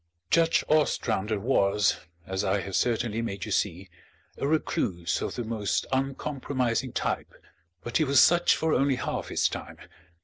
Judge Ostrander was, as I have certainly made you see, a recluse of the most uncompromising type; but he was such for only half his time.